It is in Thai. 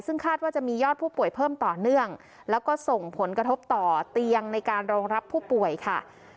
ซึ่งคาดว่าจะมียอดผู้ป่วยเพิ่มต่อเนื่องแล้วก็ส่งผลกระทบต่อเตียงในการรองรับผู้ป่วยค่ะ